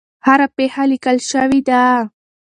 هره پېښه لیکل شوې ده.